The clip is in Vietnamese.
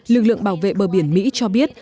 lực lượng bảo vệ bờ biển mỹ cho biết